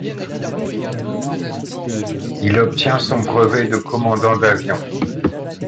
Il obtient son brevet de commandant d'avion.